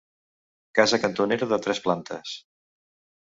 Casa cantonera de tres plantes.